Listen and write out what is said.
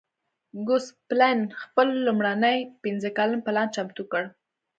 ګوسپلن خپل لومړنی پنځه کلن پلان چمتو کړ.